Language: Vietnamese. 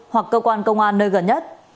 hoặc cơ quan công an nơi gần nhất